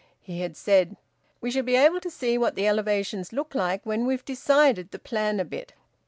He had said, "We shall be able to see what the elevation looks like when we've decided the plan a bit."